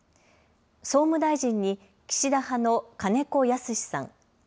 総務大臣に岸田派の金子恭之さん。